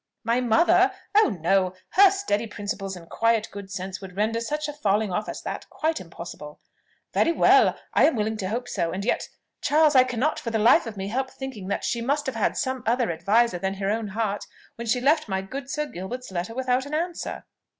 "My mother! Oh no! Her steady principles and quiet good sense would render such a falling off as that quite impossible." "Very well! I am willing to hope so. And yet, Charles, I cannot for the life of me help thinking that she must have had some other adviser than her own heart when she left my good Sir Gilbert's letter without an answer."